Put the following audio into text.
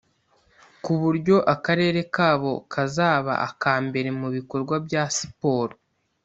ku buryo akarere kabo kazaba aka mbere mu bikorwa bya siporo